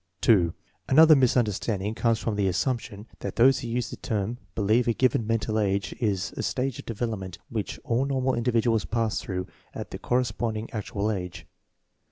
2. Another misunderstanding comes from the as sumption that those who use the term believe a given mental age is a stage of development which all normal individuals pass through at the corresponding actual age.